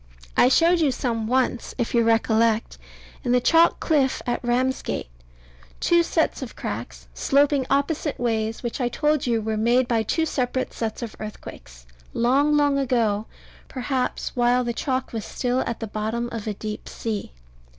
I showed you some once, if you recollect, in the chalk cliff at Ramsgate two set of cracks, sloping opposite ways, which I told you were made by two separate sets of earthquakes, long, long ago, perhaps while the chalk was still at the bottom of a deep sea.